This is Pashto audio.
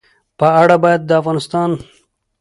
په اړه باید د افغانستان